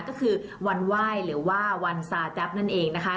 ก็คือวันไหว้หรือว่าวันซาแจ๊บนั่นเองนะคะ